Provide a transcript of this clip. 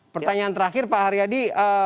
pertanyaan terakhir pak haryadi